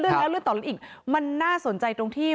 เลื่อนแล้วเลื่อนต่อแล้วอีกมันน่าสนใจตรงที่